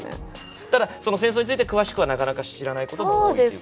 ただ戦争について詳しくはなかなか知らないことも多いっていう。